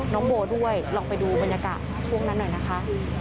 น้องโบด้วยลองไปดูบรรยากาศช่วงนั้นหน่อยนะคะ